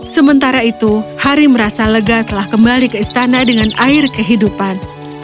sementara itu hari merasa lega telah kembali ke istana dengan air kehidupan